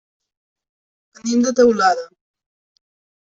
Venim de Teulada.